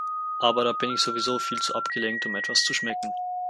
Aber da bin ich sowieso viel zu abgelenkt, um etwas zu schmecken.